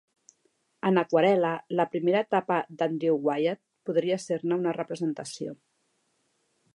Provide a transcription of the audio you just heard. En aquarel·la, la primera etapa d'Andrew Wyeth podria ser-ne una representació.